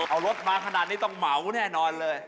เอารถมาขนาดนี้ต้องเหมาแน่นอนเลย